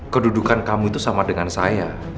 kedudukan kamu itu sama dengan saya